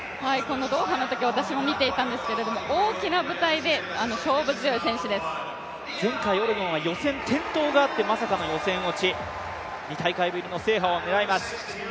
ドーハのとき、私も見ていたんですけど、大きな舞台で前回オレゴンは予選の転倒があって、まさかの予選落ち、２大会ぶりの制覇を狙います。